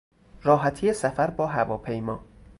راحتی سفر با هواپیما